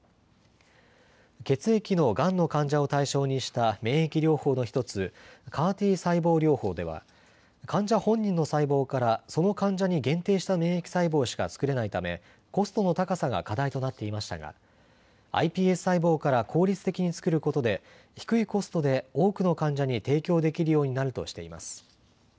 血液のがんの患者を対象にした免疫療法の１つ、ＣＡＲ−Ｔ細胞療法では患者本人の細胞からその患者に限定した免疫細胞しか作れないためコストの高さが課題となっていましたがｉＰＳ細胞から効率的に作ることで低いコストで多くの患者に提供できるようになるとしています。